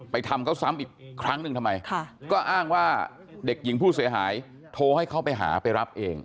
ทำเขาซ้ำอีกครั้งหนึ่งทำไมก็อ้างว่าเด็กหญิงผู้เสียหายโทรให้เขาไปหาไปรับเอง